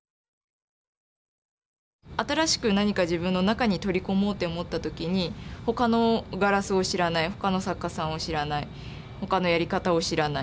新しく何か自分の中に取り込もうって思った時に他のガラスを知らない他の作家さんを知らない他のやり方を知らない。